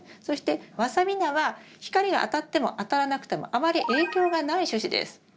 そしてワサビナは光が当たっても当たらなくてもあまり影響がない種子です。